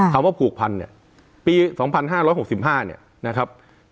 ว่าผูกพันเนี่ยปี๒๕๖๕เนี่ยนะครับ